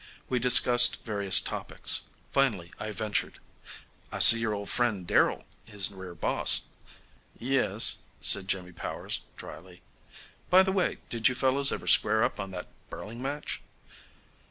We discussed various topics. Finally I ventured: "I see your old friend Darrell is rear boss." "Yes," said Jimmy Powers, dryly. "By the way, did you fellows ever square up on that birling match?"